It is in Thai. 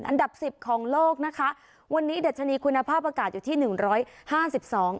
อันดับสิบของโลกนะคะวันนี้ดัชนีคุณภาพอากาศอยู่ที่หนึ่งร้อยห้าสิบสอง